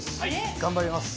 頑張ります。